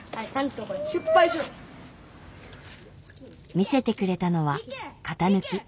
見せてくれたのは型抜き。